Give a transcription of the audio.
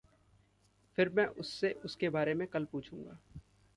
फिर मैं उससे उसके बारे में कल पूछूँगा।